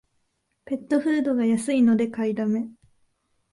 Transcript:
ペットフードが安いので買いだめ